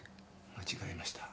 間違えました。